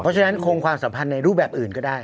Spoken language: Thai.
เพราะฉะนั้นคงความสัมพันธ์ในรูปแบบอื่นก็ได้